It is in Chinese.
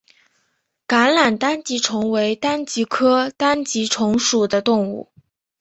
橄榄单极虫为单极科单极虫属的动物。